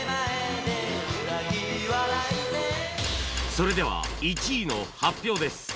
それでは１位の発表です